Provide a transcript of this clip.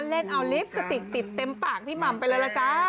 เล่นเอาลิปสติกติดเต็มปากพี่หม่ำไปเลยล่ะจ๊ะ